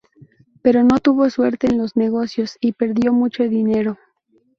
Pero no tuvo suerte en los negocios y perdió mucho dinero.